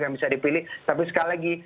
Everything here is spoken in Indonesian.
yang bisa dipilih tapi sekali lagi